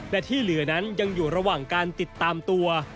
และที่เหลือนั้นยังอยู่ระหว่างการติดตามตัว